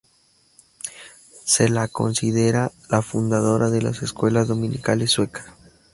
Se la considera la fundadora de las escuelas dominicales suecas.